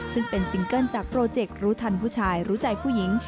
ซึ่งเป็นซิงเกิ้ลจากโปรเจกต์รู้ทันผู้ชายรู้ใจผู้หญิง